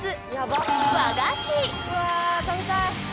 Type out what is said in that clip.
うわ食べたい！